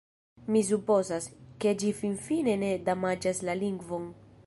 Mi supozas, ke ĝi finfine ne damaĝas la lingvon.